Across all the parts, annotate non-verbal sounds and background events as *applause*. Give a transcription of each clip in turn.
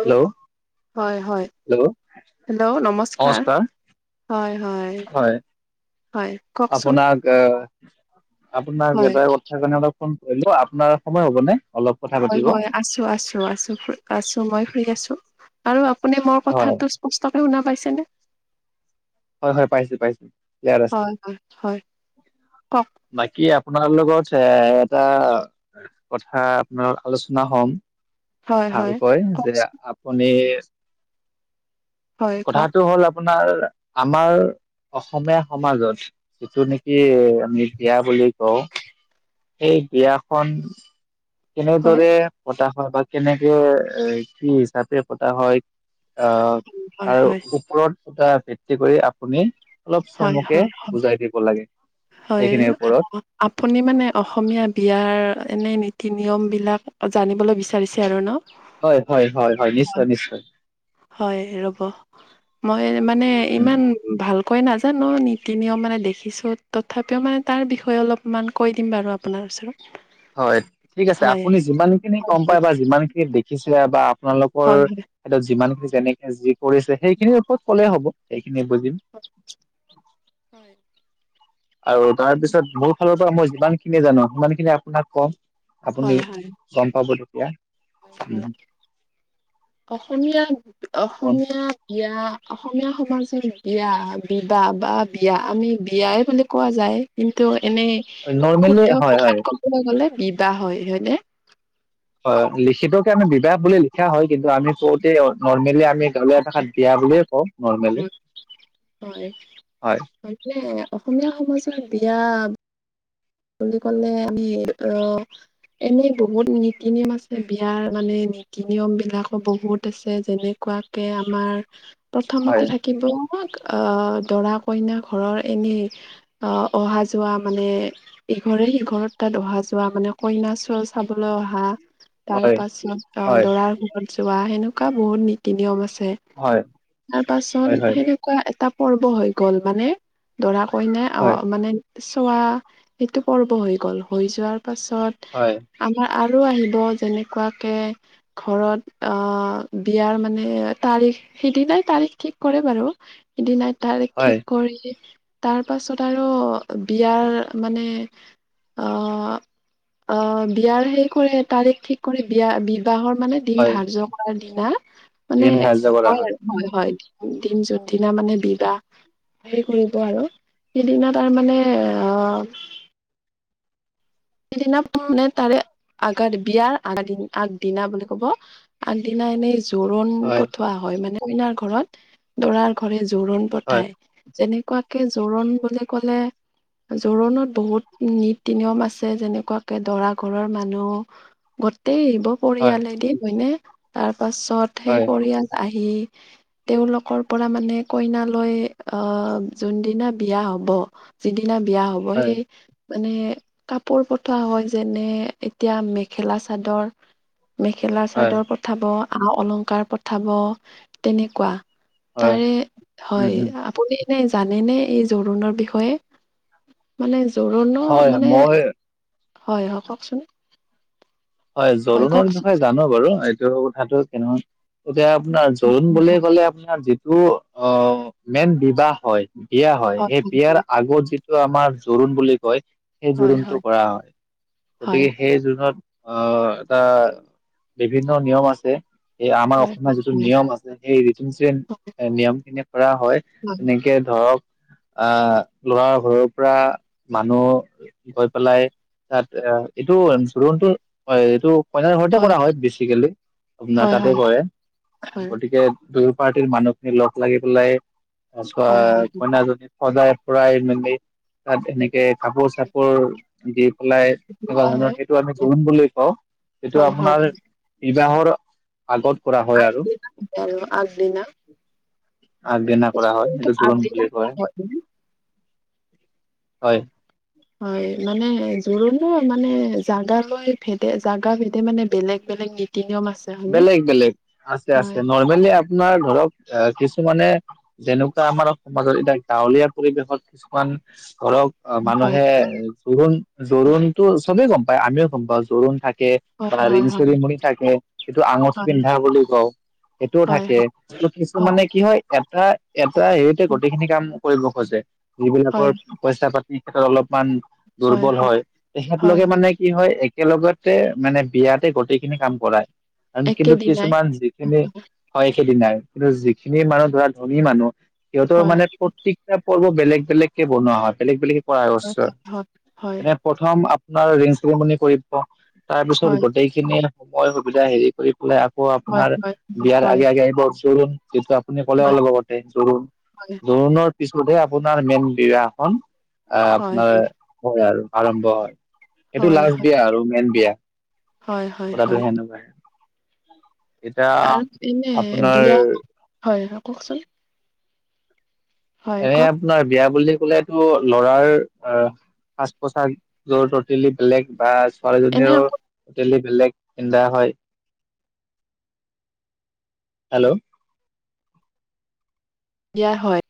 Hello হয় হয়, hello hello নমস্কাৰ। হয় হয়, হয় কওকচোন? আ আপোনাক হয় এটা কথা কাৰনে অলপ ফোন কৰিলো, আপোনাৰ সময় হ'বনে অলপ? কথা হয় পাতিব হয় আছো আছো আছো আছো মই ফ্ৰী আছো আৰু আপুনি মোৰ হয় কথাটো ই কষ্টকে শুনা পাইছেনে? হয়ঁ হয়ঁ পাইছোঁ পাইছোঁ। হয়ঁ হয়ঁ হয়ঁ কওক বাকী আপোনাৰ লগত এ এটা। কথা আপোনাৰ আলোচনা হম হয় হয় ভালকৈ কওকচোন যে-আপোনাৰ পনিৰ, হয় কওক। কথাটো হ'ল আ আপোনাৰ আমাৰ অসমীয়া সমাজত যিটো নেকি আমি বিয়া বুলি কওঁ সেই বিয়াখনন হয় কেনেদৰে, পতা হয় বা কেনেকে এ কি হিচাপে পতা হয়। আহ হয় তাৰ হয় ওপৰত এটা ভিত্তি কৰি আপুনি- অলপ চমুকে বুজাই দিব লাগে। হয়ঁ সেইখিনিৰ চাব ওপৰত। গলে। আপুনি মানে অসমীয়া বিয়াৰ এনে নীতি নিয়মবিলাক জানিবলৈ বিচাৰিছে আৰু ন। হয়ঁ হয়ঁ হয়ঁ হয়ঁ নিশ্চয় নিশ্চয়। হয়ঁ ৰব মই মানে উম ইমান ভাল কৈ নাজানো নীতি নিয়ম মানে দেখিছোঁ তথাপিও মানে তাৰ বিষয়ে অলপমান কৈ দিম বাৰু আপ- আপোনাৰ ওচৰত। হয়ঁ ঠিক আছে হয় আপুনি যিমান খিনি গম পায় বা যিমান খিনি দেখিছে বা আপোনালোকৰ হয় হয় সেতো যিমান খিনি যেনেকে যি কৰিছে সেইখিনিৰ ওপৰত ক'লে হ'ব সেইখিনিয়ে বুজিম। হচ হয়ঁ। আৰু তাৰপিছত মোৰ ফালৰ পৰা মই যিমান খিনি জানো সিমান খিনি আপোনাক কম আপুনি গম পাব তেতিয়া। হয়ঁ হয়ঁ। *inaudible* অসমীয়া অসমীয়া বিয়া অসমীয়া সমাজৰ বিয়া বিবাহ বা বিয়া আমি বিয়াই বুলি কোৱা যায়। কিন্তু এনেই নৰ্মেলি শুদ্ধ হয় হয় ভাষাত ক'বলৈ গ'লে বিবাহ হয় হয়নে? হয়ঁ লিখিতকে আমি বিবাহ বুলি লিখা হয় কিন্তু আমি কওতে নৰ্মেলি আমি গাওলিয়া ভাষাত বিয়া বুলিয়ে কওঁ নৰ্মেলি হয়। এফালে অসমীয়া সমাজৰ বিয়া বুলি কলে আমি অ এনেই বহুত নীতি নিয়ম আছে বিয়াৰ মানে নীতি নিয়ম বিলাকো বহুত আছে যেনে- কুৱাকে আমাৰ প্ৰথমতে হয় থাকে। কিন্তু অঁ দৰা কইনা ঘৰৰ এনেই অঁ অহা যোৱা মানে ইঘৰে সিঘৰত তাত অহা যোৱা মানে কইনা চল চাবলৈ অহা তাৰ হয় পাছত অঁ হয় দৰাৰ ঘৰত যোৱা সেনেকুৱা বহুত নীতি নিয়ম আছে। হয় তাৰ হয় পাছত হয় সেনেকুৱা এটা পৰ্ব হৈ গ'ল মানে দৰা কইনে অ হয় মানে চোৱা এইটো পৰ্ব হৈ গ'ল হৈ যোৱাৰ পাছত- হয়ঁ! আমাৰ আৰু আহিব যেনেকুৱাকে- ঘৰত অঁ বিয়াৰ মানে তাৰিখ- সেইদিনাই তাৰিখ ঠিক কৰে বাৰু? সিদিনাই তাৰিখ হয় ঠিক কৰি তাৰ পাছত আৰু বিয়াৰ মানে অ', অ', বিয়াৰ হে কৰে তাৰিখ ঠিক কৰি বিয়া বিবাহৰ মানে দিন হয় ধাৰ্য্য কৰাৰ দিনা দিন মানে ধাৰ্য কৰা হয় উম হয় হয়। দিন যোনদিনা মানে বিবাহ হেৰি কৰিব আৰু সিদিনা তাৰ মানে অ' সেইদিনা মানে তাৰে আগাত বিয়াৰ আগ আগদিনা বুলি ক'ব। আগদিনা এনেই জোৰোণ হয় পঠোৱা হয় মানে কইনাৰ ঘৰত দৰাৰ ঘৰে জোৰোণ হয় পঠায়। যেনেকুৱাকে জোৰোণ বুলি ক'লে জোৰোণত বহুত নীতি নিয়ম আছ যেনেকুৱাকে দৰা ঘৰৰ মানুহ গোটই আহিব হয় পৰিয়ালেদি হয়নে। তাৰ পাছত হয় সেই পৰিয়াল আহি তেওঁলোকৰ পৰা মানে কইনা লৈ আহ যোনদিনা বিয়া হ'ব। যিদিনা বিয়া হ'ব হয় সেই মানে কাপোৰ পঠোৱা হয় যেনে এতিয়া মেখেলা চাদৰ মেখেলা হয় চাদৰ পঠাব আ অলংকাৰ পঠাব তেনেকুৱা। হয় তাৰে উম উম। হয় আপুনি নে জানেনে এই জোৰোণৰ বিষয়ে? মানে জোৰোণও হয় মানে মই হয় অ' কওঁকচোন। হয়, জোৰোণনৰ বিষয়ে জানো বাৰু এইটো *unintelligible* এতিয়া আপোনাৰ জোৰোণ বুলি ক'লে আপোনাৰ যিটো অ' মেইন বিবাহ হয়। বিয়া হয় সেই বিয়াৰ আগত যিটো আমাৰ জোৰণ বুলি কয়। সেই জোৰণটো কৰা হয়, হয় হয় গতিকে সেই জোৰোণত অ', এটা বিভিন্ন নিয়ম আছে। এই আমাৰ হয় অসমীয়া হয় যিটো হয় নিয়ম আছে, সেই ৰীতি নীতিৰে নিয়মখিনি কৰা হয়। এনেকে ধৰক আহ ল'ৰা ঘৰৰ পৰা মানুহ গৈ পেলাই তাত এ এইটো জোৰোণটো হয়, এইটো কইনাৰ ঘৰতে কৰা হয় বেচিকেলি আপোনাৰ হয় হয় হয় হয় তাতে কৰে। গতিকে দুয়ো পাৰ্টিৰ মানুহখিনি লগ লাগি পেলাই *unintelligible* হয় হয় হয় কইনাজনী সজায় ফুৰাই মেলি তাত এনেকে কাপোৰ চাপোৰ দি পেলাই এনেকুৱা হয় হয় ধৰণৰ সেইটো আমি হয় জোৰোণ বুলি কওঁ, সেইটো হয় হয় আপোনাৰ বিবাহৰ আগত কৰা হয় আৰু। আৰু আগদিনা আগদিনা কৰা হয় কিন্তু সেইটো জোৰোণ আগদিনা বুলি কয়, হয় নে? হয়। হয়, মানে জোৰোণতো মানে জাগালৈ ভেদে জাগা ভেদে মানে বেলেগ বেলেগ নি নীতি নিয়ম আছে হয়নে? বেলেগ বেলেগ আছে আছে হয় নৰ্মেলি আপোনাৰ ধৰক আহ কিছুমানে যেনেকুৱা আমাৰ সমাজত এতিয়া গাঁৱলীয়া পৰিৱেশত কিছুমান ধৰক অ', হয় মানুহে জোৰোণ জোৰোণতো চবেই গম পায় আমিও গম পাওঁ জোৰোণ থাকে। হয় বা ৰিং হয় চেৰ'মনী থাকে। এইটো আঙঠি হয় পিন্ধা বুলি কওঁ সেইটোও হয় হয় থাকে। কিন্তু কিছুমানে কি হয় এটা এটা হেৰিতে গোটেইখিনি কাম কৰিব খোজে। যিবিলাকৰ হয় পইচা পাতি ক্ষেত্ৰত অলপমান দুৰ্বল হয়, তেখেত হয় লোকে মানে কি হয় একেলগতে মানে বিয়াতে গোটেইখিনি কাম কৰায়। আন কিন্তু একেদিনাই কিছুমান যিখিনি হয় সেইদিনাই কিন্তু যিখিনি মানুহ ধৰা ধনী মানুহ সিহঁতৰ হয় মানে প্ৰত্যিক এতিয়া পৰ্ব বেলেগ বেলেগকে বনোৱা হয় বেলেগ বেলেগে কৰায় হয় আচ্ছা হয় হয় এনে *unintelligible* প্ৰথম আপোনাৰ ৰিং চেৰিমনী কৰিব তাৰ পিছত হয় গোটেইখিনি সময় সুবিধা হেৰী কৰিব। বোলে আকৌ হয় আপোনাৰ হয় হয় বিয়াৰ হয় আগে আগে আহিব জোৰোণ যিহেতু আপুনি ক'লে হয় অলপ আগতে জোৰোণ জোৰোণত পিছতহে আপোনাৰ মেইন বিয়াখন এহ হয় আপোনাৰ- হয় আৰু আৰম্ভ হয়, এইটো হয় লাষ্ট বিয়া আৰু মেইন বিয়া। হয় হয় কথাটো হয় সেনেকুৱা। এতিয়া আৰু এনে আপোনাৰ বিয়া হয় হয় কওঁকচোন এনে কওক আপোনাৰ বিয়া বুলি কলেতটো লৰাৰ আহ সাজ পোছাক জোৰ টেলি বেলেগ বা এনে ছোৱালীজনীৰো আপোনাৰ হোটেলি বেলেগ সধা হয় হেল্ল' দিয়া হয়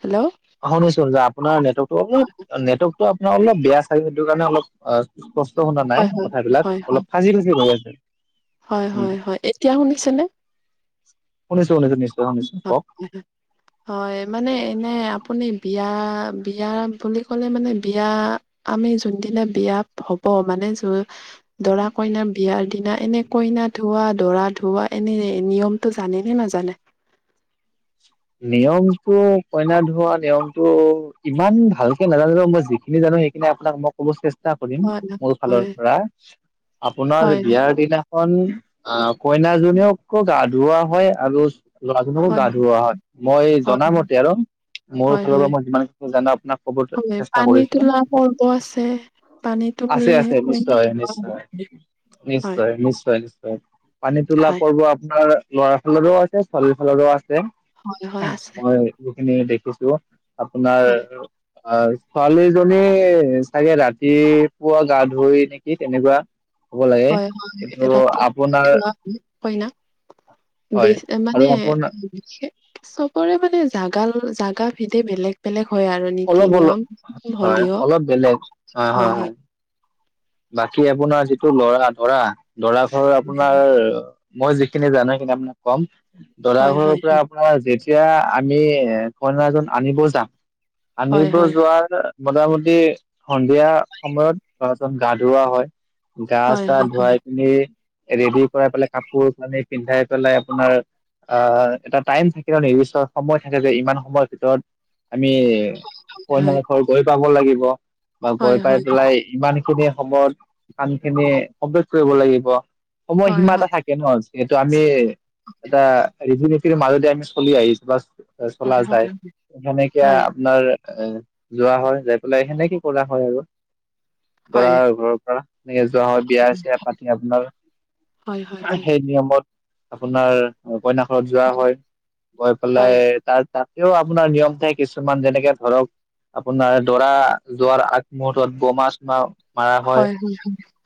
হেল্ল' শুনিচোন যে আপোনাৰ নেটৱৰ্কতো অলপ নেটৱৰ্কতটো আপোনাৰ অলপ বেয়া চাগে সেইটো কাৰণে অলপ অ স্পষ্ট শুনা হয় নাই হয় হয় কথাবিলাক হয় অলপ ফাজি ফাজি হৈ আছে। হয় উম হয় হয় এতিয়া শুনিছেনে? শুনিছো শুনিছো। শুনিছো অ কওক মানে *unintelligible* *inaudible* হয় মানে এনে আপুনি বিয়া বিয়া বুলি ক'লে মানে বিয়া। আমি যোনদিনা বিয়া হ'ব মানে জোৰোণ দৰা কইনা। বিয়াৰ দিনা এনেই কইনা ধোৱা দৰা ধোৱা এনেই নিয়মটো জানে নাজানে। নিয়মটো কইনা ধোৱা নিয়মটো ইমান ভালকে নাজানো যে মই যিখিনি জানো সেই কিন্তু আপোনাক মই ক'ব চেষ্টা কৰিম হয় মোৰ ফালৰ হয় পৰা আপোনাৰ হয় বিয়াৰ দিনা। কন অ কইনাজনীয়োকো গা, ধুওৱা হয় আৰু ল'ৰাজনকো হয় গা, ধুওৱা হয়। মই হয় জনামতে আৰু মোৰ হয় ফালৰ পৰা হয় মই যিমানখি জানো আপোনাক কব হয় চেষ্টা পানী কৰিছো। তোলা পৰ্ব আছে পানী তুলি আছে আছে কইনা নিশ্চয় ধোৱা নিশ্চয় হয় হয় নিশ্চয়। নিশ্চয় নিশ্চয় পানী তোলা হয় পৰ্ব আপোনাৰ লৰা ফালৰো আছে ছোৱালীৰ ফালৰোও আছে। হয় হয় আছে মই যিখিনি দেখিছো আপোনাৰ হয় অ ছোৱালীজনী চাগে ৰাতিপুৱা গা, ধুই নেকি তেনেকুৱা হ'ব লাগে হয় হয় কিন্তু ৰাতি আপোনাৰ গা ধুৱোই কইনাক বে হয় আৰু মানে আপোনাৰ চবৰে মানে জাগা জাগা ভিদে বেলেগ বেলেগ হয়। আৰু নীতি অলপ অলপ নিয়ম হলেও হয় হয়। বাকী আপোনাৰ যিটো লৰা দৰা দৰা ঘৰ আপোনাৰ মই যিখিনি জানো সেইিনি আপোনাক কম দৰা হয় ঘৰৰ হয় পৰা। আোনাৰ যেতিয়া আমি কইনাজন আনিব যাম হয় আনিব হয় হয় যোৱাৰ। মোটামুটি সন্ধিয়া সময়ত ল'ৰাজন গা ধওৱা হয় গা, হয় চা হয় ধুৱাই পিনি ৰেডি কৰাই পেলাই কাপোৰ কানি পিন্ধাই, পেলাই আপোনাৰ- আহ এটা টাইম থাকে আৰু নিৰ্দিষ্ট সময় থাকে যে ইমান সময়ৰ ভিতৰত আমি- কন্য, দেশৰ গৈ পাব লাগিব বা গৈ হয় হয় পাই হয় পেলাই ইমান। খিন সময়ত কাম খিনি সমৱেশ কৰিব লাগিব সময় হয় সীমা এটা হয় হয় থাকে ন এইটো আমি এটা ৰীতি নীতিৰ মাজতে আমি চলি আহিছো বাচ চলা হয় হয় হয় হয় যায়। যেনেকে আপোনাৰ এ যোৱা হয়, যাই পেলাই সেনেকে কৰা হয় আৰু। হয় দৰা ঘৰৰ পৰা এনেকে যোৱা হয় বিয়া চিয়া পাতিলে আপোনাৰ। হয় হয় হয় হয় হয় সেই নিয়মত আপোনাৰ কইনাখৰত যোৱা হয়, গৈ পেলাই তাত তাতেও আপোনাৰ নিয়মতে কিছুমান যেনেকে ধৰক, আপোনাৰ দৰা যোৱাৰ আগমহুৰ্তত বোমা চোমা মাৰা হয়।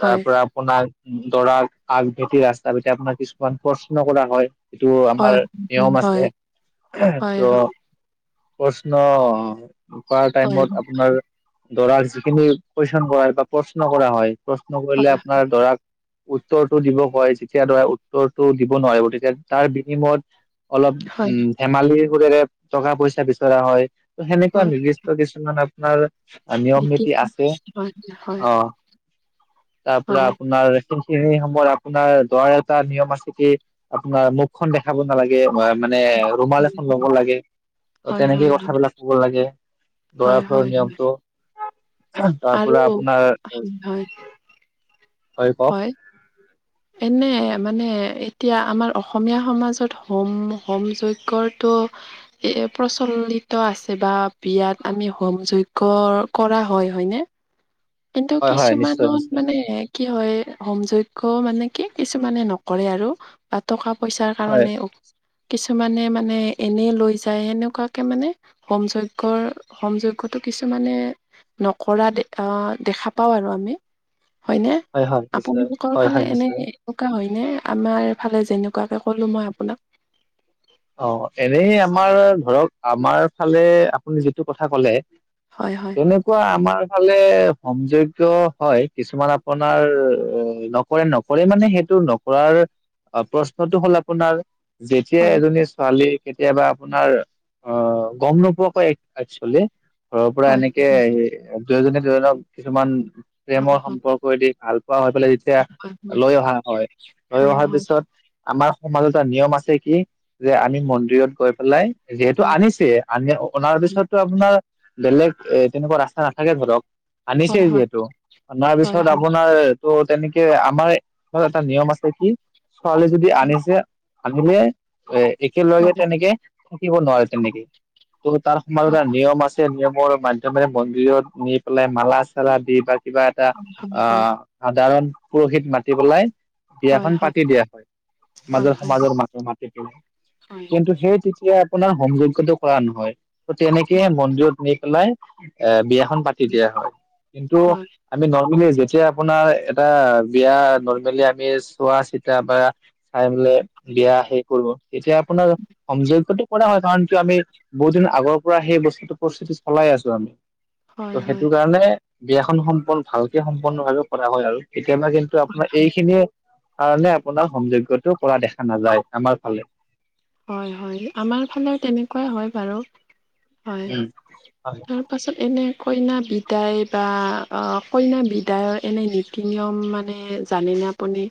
হয় তাৰ হয় পৰা আপোনাৰ দৰাৰ আগ ভেটি ৰাস্তা ভেটে। আপোনাৰ কিছুমান প্ৰশ্ন কৰা হয়। এইটো আমাৰ নিয়ম আছে। ত' প্ৰশ্ন কৰা টাইমত আপোনাৰ দৰাৰ যিখিনি কুইশন কৰা হয় বা প্ৰশ্ন কৰা হয়। প্ৰশ্ন কৰিলে আপোনাৰ দৰাক উত্তৰটো দিব কয়। যেতিয়া ধৰা উত্তৰটো দিব নোৱাৰিব, তেতিয়া তাৰ বিনিময়ত অলপ হয় হয় হয় উম ধেমালি সুৰেৰে টকা পইচা বিচৰা হয়। ত সেনেকুৱা হয় নিৰ্দিষ্ট কিছুমান আপোনাৰ নিয়ম নীতি আছে। হয় *unintelligible* অ। তাৰপৰা হয় আপোনাৰ সেইখিনি সময়ত আপোনাৰ দৰাৰ এটা নিয়ম আছে কি, আপোনাৰ মুখখন দেখ খাব নালাগে বা মানে ৰুমাল এখন ল'ব লাগে। ত হয় তেনেকে হয় কথাবিলাক কব লাগে, দৰা হয় ঘৰৰ হয় নিয়মটো। তাৰ পৰা আপোনাৰ *unintelligible* হয় হয়। *inaudible* এনে মানে এতিয়া আমাৰ অসমীয়া সমাজত হোম হোম যজ্ঞৰটো এ এ প্ৰচলিত আছে বা বিয়াত আমি হোম যজ্ঞ কৰা হয়। হয়নে? কিন্তু হয় হয় নিশ্চয় কিছুমানত নিশ্চয় মানে কি হয় হোম যজ্ঞ মানে কি, কিছুমানে নকৰে আৰু। বা টকা পইচাৰ হয় কাৰণেও। কিছুমানে মানে এনেই লৈ যায়, সেনেকুৱাকে মানে হোম যজ্ঞৰ হোম যজ্ঞতো কিছুমানে নকৰা দে আহ দেখা পাওঁ আৰু আমি। হয়নে? হয় হয় নিশ্চয় আপোনালোকৰ হয় ফালে হয় এনে নিশ্চয় এনেকুৱা হয়নে? আমাৰ ফালে যেনেকুৱাকে ক'লো মই আপোনাক। অ, এনেই আমাৰ ধৰক আমাৰ ফালে আপুনি যিটো কথা কলে। হয় হয়। তেনেকুৱা আমাৰ ফালে হোম যজ্ঞ হয়। কিছুমান আপোনাৰ কৰে নকৰে মানে সেইটো নকৰাৰ প্ৰশ্নটো হ'ল আপোনাৰ যেতিয়া হয়, এজনী ছোৱালী কেতিয়াবা আপোনাৰ অ গম নোপোৱাকৈ একচোৱেলি। ঘৰৰ পৰা হয়, এনেকে হয়, দুয়োজনে দুয়োজনক কিছুমান হয়, প্ৰেমৰ হয়, সম্পৰ কৈ দি ভাল পোৱা হৈ পেলাই যেতিয়া হয়, হয়, লৈ অহা হয়। লৈ হয়, অহাৰ হয়, পিছত আমাৰ সমাজ এটা নিয়ম আছে কি, যে আমি মন্দিৰত গৈ পেলাই যিহেতু হয়, আনিছে। আ অনাৰ হয়, পিছতো আপোনাৰ বেলেগ এ তেনেকুৱা ৰাস্তা নাথাকে ধৰক। হয়, আনিছেই হয়, যিহেতু। অনাৰ হয়, হয়, পিছত হয়, আপোনাৰ টো তেনেকে আমাৰ ধৰ এটা নিয়ম আছে কি, ছোৱালী যদি আনিছে, আনিলে এ হয়, একেলগে তেনেকে থাকিব নোৱাৰে তেনেকে। ত তাৰ সমাজত হয়, এটা নিয়ম আ তে নিয়মৰ মাধ্যমেৰে মন্দিৰত নি পেলাই মালা চালা দি বা কিবা এটা হয়, অ হয়, সাধাৰণ পুৰোহিত মাতি পেলাই হয়, হয়, হয়, হয়, বিয়াখন পাতি দিয়া হয় মাজৰ সমাজৰ মানুহ মাতি দিয়া হয়, কিন্তু সেই তেতিয়া আপোনাৰ হোম যজ্ঞটো কৰা নহয় ত তেনেকে মন্দিৰত পেলাই এ বিয়াখন পাতি দিয়া হয় কিন্তু আমি নৰ্মেলি যেতিয়া আপোনাৰ এটা বিয়া নৰ্মেলি আমি চোৱা চিতা বা চাই মিলে বিয়া হে কৰিবো এতিয়া আপোনাৰ হম যজ্ঞটো কৰা হয় কাৰণ কি আমি বহুত দিন আগৰ পৰা সেই বস্তুটো পৰিস্থিতি চলাই আছো আমি হয়, ত' সেইটো কাৰণে বিয়াখন সম্পন ভালকে সম্পন্ন ভাৱে কৰা হয় আৰু কেতিয়াবা কিন্তু ত আপোনাৰ এইখিনিয়ে কাৰণে আপোনাৰ হোম যজ্ঞতো কৰা দেখা নাযায় আমাৰ ফালে হয় হয় আমাৰ ফালে তেনেকোৱাই হয় বাৰু হয়। উম হয় তাৰ পাছত এনে কইনা বিধ বিদায় বা অ কইনা বিদায়ৰ এনে নীতি নিয়ম মানে জানেনে আপুনি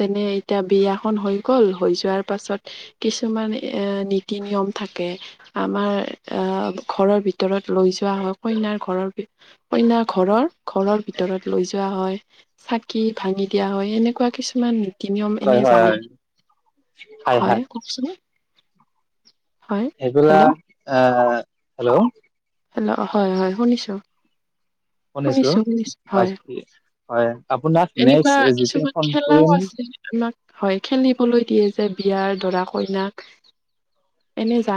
যেনে এতিয়া বিয়াখন হৈ গ'ল হৈ যোৱাৰ পাছত কিছুমান এ নীতি নিয়ম থাকে আমাৰ আহ ঘৰৰ ভিতৰত লৈ যোৱা হয় কইনাৰ ঘৰৰ কইনাৰ ঘৰৰ ঘৰৰ ভিতৰত লৈ যোৱা হয় চাকি ভাঙি দিয়া হয় এনেকোৱা কিছুমান কি নিয়ম এনে হয় হয় হয়। জানে হয় কওকচোন হয় হেল্ল' সেইবিলাক এ হেল্ল' হেল্ল হয় হয় শুনিছো শুনিছো শুনিছো হয় বাকী হয় আপোনাক এনেকোৱা নেক্সট যেতিয়া কিছুমান ফোন খেলাও কৰিম আছে তোমাক হয় খেলিবলৈ দিয়ে যে বিয়াৰ দৰা কইনাক এনে জান